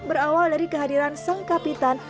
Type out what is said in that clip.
berawal dari kehadiran sang kapitan